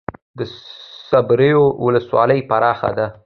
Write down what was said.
د صبریو ولسوالۍ پراخه ده